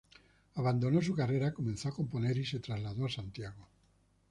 Abandonó su carrera, comenzó a componer y se trasladó a Santiago.